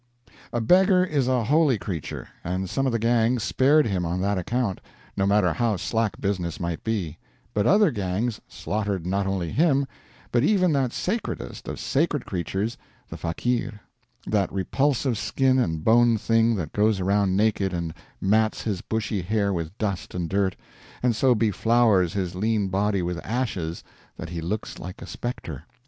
A beggar is a holy creature, and some of the gangs spared him on that account, no matter how slack business might be; but other gangs slaughtered not only him, but even that sacredest of sacred creatures, the fakeer that repulsive skin and bone thing that goes around naked and mats his bushy hair with dust and dirt, and so beflours his lean body with ashes that he looks like a specter.